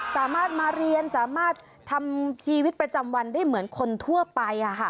สามารถมาเรียนสามารถทำชีวิตประจำวันได้เหมือนคนทั่วไป